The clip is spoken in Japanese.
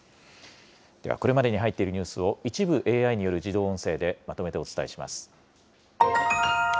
では、これまでに入っているニュースを一部ＡＩによる自動音声でまとめ